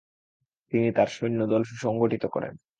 তিনি তার সৈন্যদল সুসংগঠিত করেন।